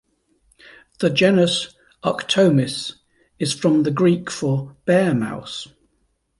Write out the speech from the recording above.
The genus, "Arctomys", is from the Greek for "bear-mouse".